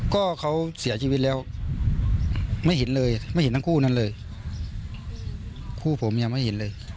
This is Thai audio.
ก็เขาเสียชีวิตแล้วไม่เห็นเลยไม่เห็นทั้งคู่นั้นเลยคู่ผมยังไม่เห็นเลย